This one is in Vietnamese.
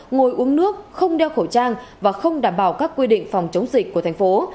ngồi uống nước không đeo khẩu trang và không đảm bảo các quy định phòng chống dịch của thành phố